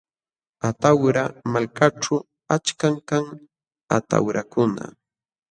Atawra malkaćhu achkam kan atawrakuna.